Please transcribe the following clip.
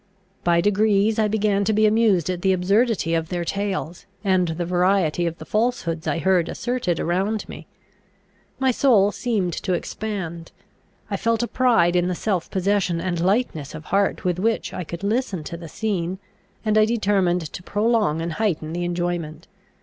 By degrees I began to be amused at the absurdity of their tales, and the variety of the falsehoods I heard asserted around me. My soul seemed to expand; I felt a pride in the self possession and lightness of heart with which I could listen to the scene; and I determined to prolong and heighten the enjoyment.